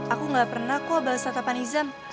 aku gak pernah kok balas natapan izam